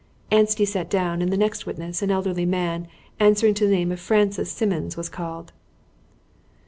Anstey sat down, and the next witness, an elderly man, answering to the name of Francis Simmons, was called.